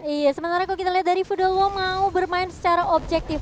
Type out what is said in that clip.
iya sementara kalau kita lihat dari fudelwo mau bermain secara objektif